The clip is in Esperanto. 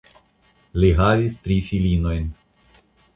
Li havis tri filinojn.